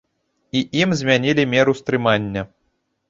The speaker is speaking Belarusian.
І ім змянілі меру стрымання.